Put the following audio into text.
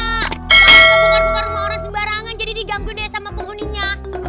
bukan buka rumah orang sembarangan jadi diganggu deh sama penghuninya